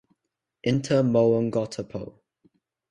Inter Moengotapoe